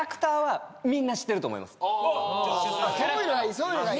そういうのがいい。